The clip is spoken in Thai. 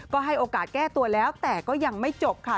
ก็ให้โอกาสแก้ตัวแล้วแต่ก็ยังไม่จบค่ะ